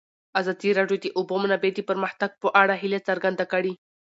ازادي راډیو د د اوبو منابع د پرمختګ په اړه هیله څرګنده کړې.